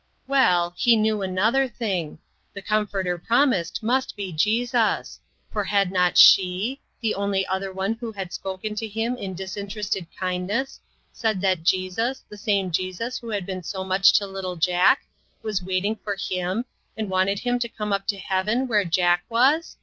Well, he knew another thing. The Com forter promised must be Jesus ; for had not she, that only other one who had spoken to him in disinterested kindness, said that Jesus, the same Jesus who had been so much to little Jack, was waiting for him, and wanted him to come up to heaven where Jack was?